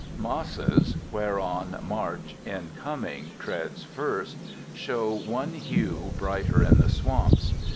Mosses, whereon March in coming treads first, show one hue brighter in the swamps.